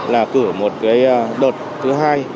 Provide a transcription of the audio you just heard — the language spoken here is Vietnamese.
là cử một cái đợt thứ hai